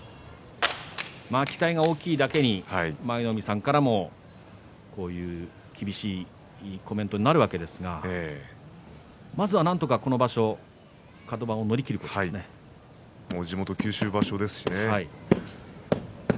期待が大きいだけに舞の海さんからも厳しいコメントになるわけですがまずは、なんとかこの場所地元九州場所ですからね。